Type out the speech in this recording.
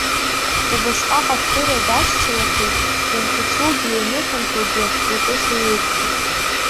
Убасҟак ашәыра дашьцылахьеит, ианҭацәугьы ианыхьанҭоугьы лкышьа еиԥшуп.